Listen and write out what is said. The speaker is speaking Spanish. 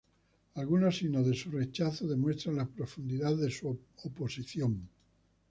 Algunos signos de su rechazo demuestran la profundidad de su oposición.